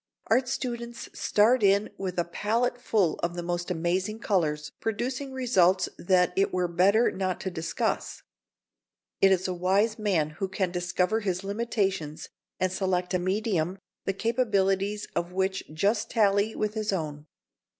Art students start in with a palette full of the most amazing colours, producing results that it were better not to discuss. It is a wise man who can discover his limitations and select a medium the capacities of which just tally with his own.